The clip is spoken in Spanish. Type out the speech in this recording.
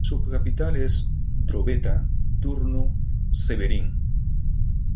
Su capital es Drobeta-Turnu Severin.